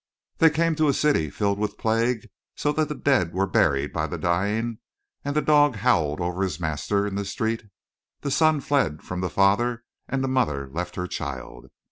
"They came to a city filled with plague so that the dead were buried by the dying and the dog howled over his master in the street; the son fled from the father and the mother left her child.